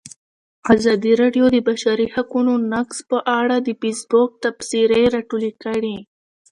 ازادي راډیو د د بشري حقونو نقض په اړه د فیسبوک تبصرې راټولې کړي.